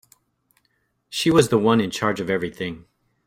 She was the one in charge of everything.